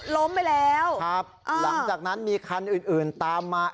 ล้มไปแล้วครับหลังจากนั้นมีคันอื่นอื่นตามมา